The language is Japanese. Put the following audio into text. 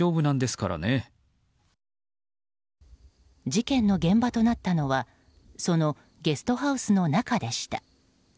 事件の現場となったのはそのゲストハウスの中でした。